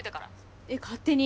えっ勝手に？